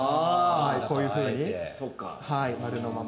こういうふうに丸のまま。